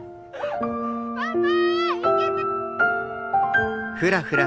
パパ！